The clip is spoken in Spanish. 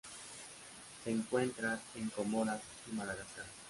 Se encuentra en Comoras y Madagascar.